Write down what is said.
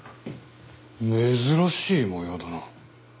珍しい模様だな。